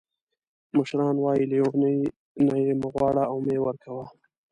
مشران وایي لیوني نه یې مه غواړه او مه یې ورکوه.